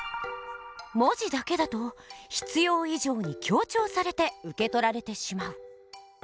文字だけだと必要以上に強調されて受け取られてしまう。